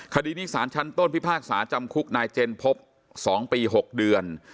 คดีนี้สารชั้นต้นพิพากษาจำคุกนายเจนพบ๒ปี๖เดือน